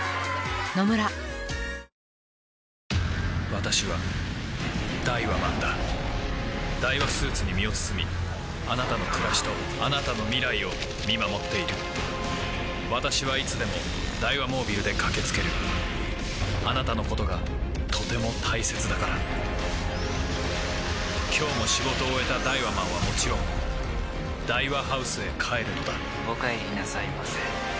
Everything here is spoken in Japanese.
私はダイワマンだダイワスーツに身を包みあなたの暮らしとあなたの未来を見守っている私はいつでもダイワモービルで駆け付けるあなたのことがとても大切だから今日も仕事を終えたダイワマンはもちろんダイワハウスへ帰るのだお帰りなさいませ。